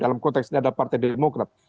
dalam konteks ini adalah partai demokrat